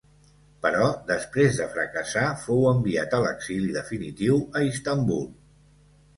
Però, després de fracassar, fou enviat a l'exili definitiu a Istanbul.